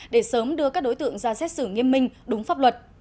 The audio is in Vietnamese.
để sớm đưa các đối tượng ra xét xử nghiêm minh đúng pháp luật